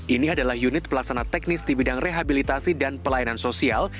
ini adalah unit pelaksana teknis di bidang rehabilitasi dan pelayanan sosial